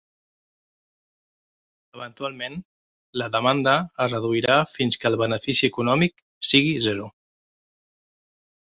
Eventualment, la demanda es reduirà fins que el benefici econòmic sigui zero.